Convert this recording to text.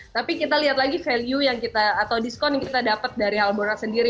tapi kita lihat lagi value yang kita atau diskon yang kita dapat dari albora sendiri